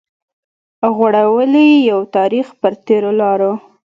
غوړولي يو تاريخ پر تېرو لارو